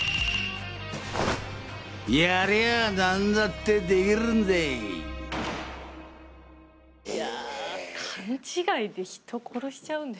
やりゃ何だってできるんでい！